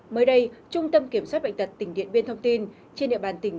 mới đây trung tâm kiểm soát bệnh tật tỉnh điện biên thông tin trên địa bàn tỉnh